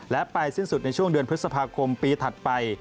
และไปสิ้นสุดในช่วงเดือนพฤษภาคมปีถัดไป